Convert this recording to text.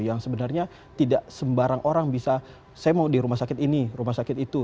yang sebenarnya tidak sembarang orang bisa saya mau di rumah sakit ini rumah sakit itu